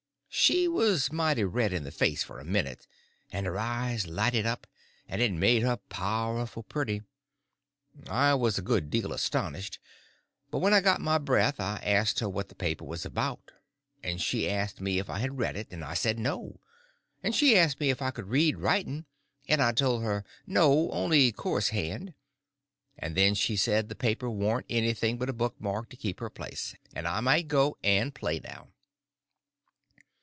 She was mighty red in the face for a minute, and her eyes lighted up, and it made her powerful pretty. I was a good deal astonished, but when I got my breath I asked her what the paper was about, and she asked me if I had read it, and I said no, and she asked me if I could read writing, and I told her "no, only coarse hand," and then she said the paper warn't anything but a book mark to keep her place, and I might go and play now.